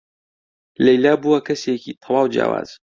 لەیلا بووە کەسێکی تەواو جیاواز.